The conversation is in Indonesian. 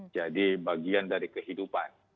jadi bagian dari kehidupan